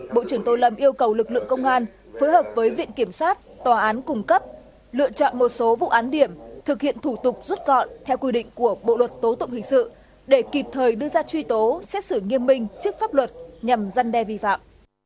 bộ trưởng tô lâm yêu cầu lực lượng công an phối hợp với viện kiểm sát tòa án cung cấp lựa chọn một số vụ án điểm thực hiện thủ tục rút gọn theo quy định của bộ luật tố tụng hình sự để kịp thời đưa ra truy tố xét xử nghiêm minh trước pháp luật nhằm giăn đe vi phạm